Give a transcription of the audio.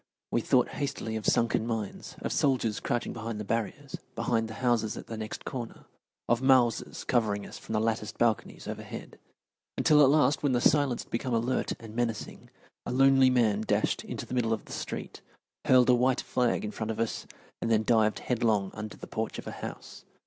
We thought hastily of sunken mines, of soldiers crouching behind the barriers, behind the houses at the next corner, of Mausers covering us from the latticed balconies overhead. Until at last, when the silence had become alert and menacing, a lonely man dashed into the middle of the street, hurled a white flag in front of us, and then dived headlong under the porch of a house.